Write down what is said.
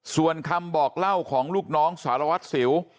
ส่วนคำบอกเล่าของลูกน้องสารวัตรสิว